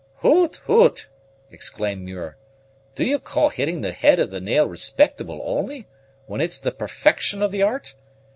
"Hoot, hoot!" exclaimed Muir; "do you call hitting the head of the nail respectable only, when it's the perfection of the art?